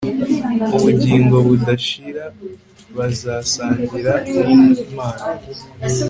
ubugingo budashira bazasangira nImana